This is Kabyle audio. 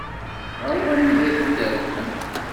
Ɣer wanida i ten-terram?